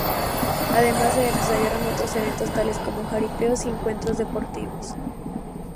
Además se desarrollan otros eventos tales como jaripeos y encuentros deportivos.